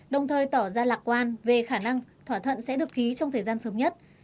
đồng thời tỏ ra lạc quan về khả năng thỏa thuận sẽ được ký trong thời gian sớm nhất